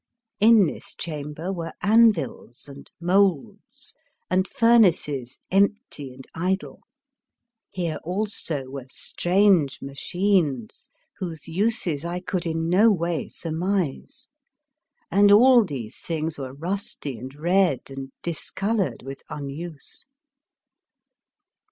In this chamber were anvils and 38 The Fearsome Island moulds, and furnaces empty and idle; here also were strange machines whose uses I could in no way surmise; and all these things were rusty and red, and discoloured with unuse.